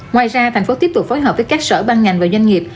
ngoài ra thành phố tiếp tục phối hợp với các sở ban ngành và doanh nghiệp